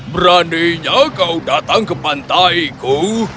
beraninya kau datang ke pantai ku